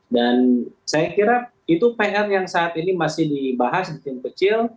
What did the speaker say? dan saya kira itu pr yang saat ini masih dibahas di tim kecil